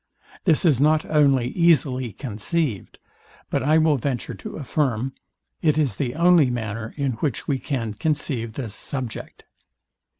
This is not only easily conceived, but I will venture to affirm it is the only manner, in which we can conceive this subject.